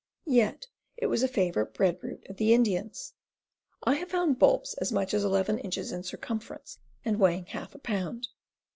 Yet it was a favorite bread root of the Indians. I have found bulbs as much as 11 inches in circumference and weighing half a pound.